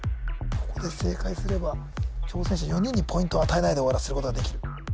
ここで正解すれば挑戦者４人にポイント与えないで終わらせることができる